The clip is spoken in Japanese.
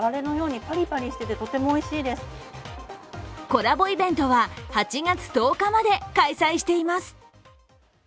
コラボイベントは、８月１０日まで開催しています。